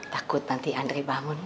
takut nanti andri bangun